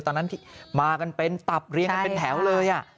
ตอนนั้นที่มากันเป็นตับเรียงกันเป็นแถวเลย